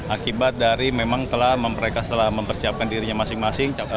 akibat dari memang telah mereka telah mempersiapkan dirinya masing masing